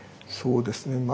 そうですね